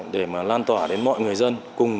để mà lan tỏa đến mọi người dân cùng thực hiện một cái